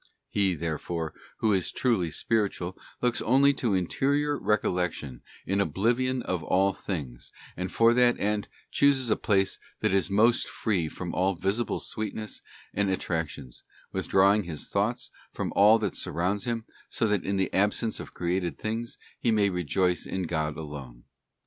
He, therefore, who is truly spiritual looks only to interior recollection in oblivion of all things, and for that end chooses a place that is most free from all visible sweetness and at *§, John iy, 23, 24, ont ——s re tractions, withdrawing his thoughts from all that surrounds him, so that in the absence of created things, he may rejoice in God alone.